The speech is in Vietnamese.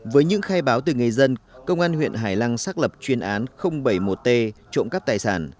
với những khai báo từ người dân công an huyện hải lăng xác lập chuyên án bảy mươi một t trộm cắp tài sản